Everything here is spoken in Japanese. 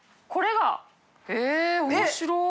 へぇ面白い。